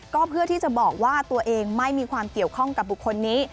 ก็เพื่อที่จะบอกว่าตัวเองไม่มีความเกี่ยวข้องกับบุคคลนี้